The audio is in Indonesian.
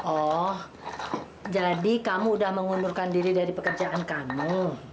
oh jadi kamu udah mengundurkan diri dari pekerjaan kamu